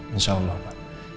insya allah pak